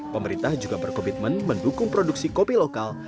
pemerintah juga berkomitmen mendukung produksi kopi lokal